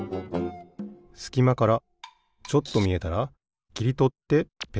すきまからちょっとみえたらきりとってペタン。